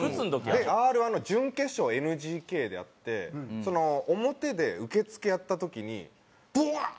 Ｒ−１の準決勝がＮＧＫであってその表で受付やった時にぶわー！